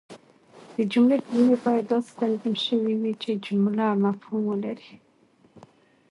د جملې کلیمې باید داسي تنظیم سوي يي، چي جمله مفهوم ولري.